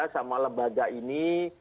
sama lembaga ini